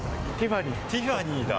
ティファニーだ！